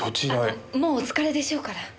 あのもうお疲れでしょうから。